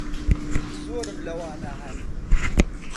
زۆرم لەوانە ھەن.